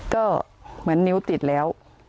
ก็เหมือนนิ้วติดแล้ว